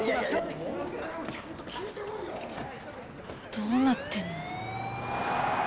どうなってんの？